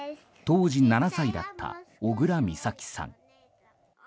当時７歳だった小倉美咲さん。